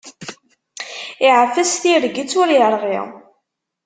Iɛfes tirget ur irɣi.